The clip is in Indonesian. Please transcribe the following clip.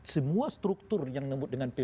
semua struktur yang nembut dengan